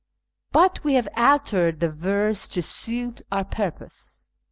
' But we have altered the verse to suit our purpose."